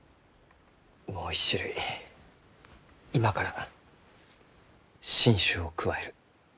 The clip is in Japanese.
もう一種類今から新種を加える。